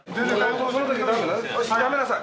やめなさい。